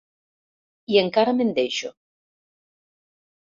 I encara me'n deixo.